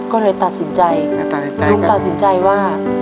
ก็เลยตัดสินใจลุงตัดสินใจว่า